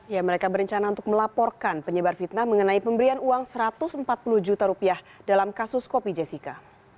ya mereka berencana untuk melaporkan penyebar fitnah mengenai pemberian uang satu ratus empat puluh juta rupiah dalam kasus kopi jessica